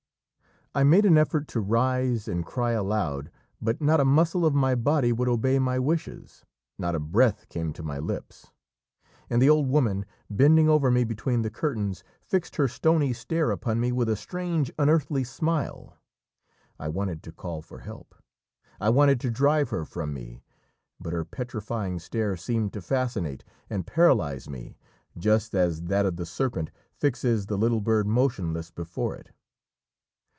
I made an effort to rise and cry aloud, but not a muscle of my body would obey my wishes, not a breath came to my lips; and the old woman, bending over me between the curtains, fixed her stony stare upon me with a strange unearthly smile. I wanted to call for help, I wanted to drive her from me, but her petrifying stare seemed to fascinate and paralyse me, just as that of the serpent fixes the little bird motionless before it.